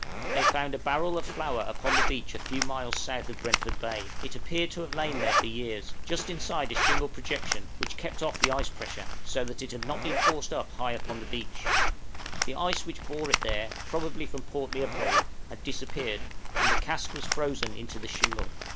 They found a barrel of flour upon the beach a few miles south of Brentford Bay; it appeared to have lain there for years, just inside a shingle projection, which kept off the ice pressure, so that it had not been forced up high upon the beach; the ice which bore it there probably from Port Leopold had disappeared, and the cask was frozen into the shingle.